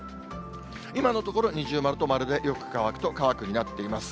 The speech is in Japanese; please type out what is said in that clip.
今のところ、二重丸と丸でよく乾くと、乾くになっています。